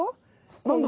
何だ？